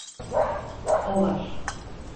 O var.